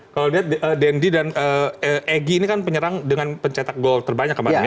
kalau lihat dendy dan egy ini kan penyerang dengan pencetak gol terbanyak kemarin ya